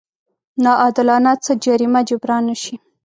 ناعادلانه څه جريمه جبران نه شي.